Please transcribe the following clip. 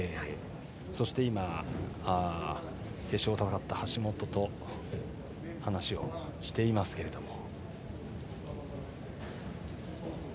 そして今決勝を戦った橋本と話をしていますけれども。